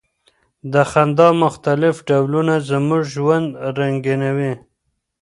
د خندا مختلف ډولونه زموږ ژوند رنګینوي.